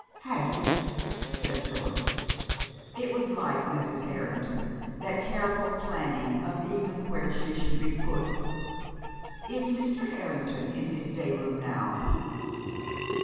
"Has it?" said Phyllis. It was like Mrs. Harrington, that careful planning of even where she should be put. "Is Mr. Harrington in his day room now?"